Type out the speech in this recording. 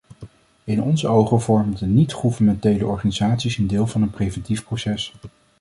In onze ogen vormen de niet-gouvernementele organisaties een deel van een preventief proces.